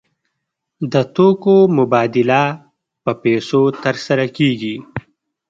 د توکو مبادله په پیسو ترسره کیږي.